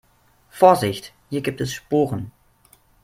Vorsicht, hier gibt es Sporen.